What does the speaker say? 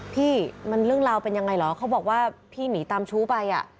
พี่มันเรื่องราวเป็นยังไงเหรอเขาบอกว่าพี่หนีตามชู้ไปอ่ะ